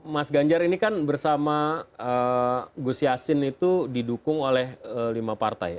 mas ganjar ini kan bersama gus yassin itu didukung oleh lima partai